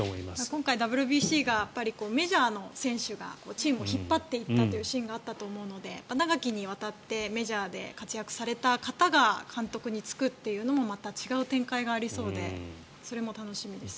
今回ＷＢＣがメジャーの選手がチームを引っ張っていったというシーンがあったと思うので長きにわたってメジャーで活躍された方が監督に就くっていうのもまた違う展開がありそうでそれも楽しみですね。